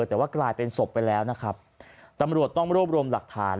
แต่ว่ากลายเป็นศพไปแล้วนะครับตำรวจต้องรวบรวมหลักฐาน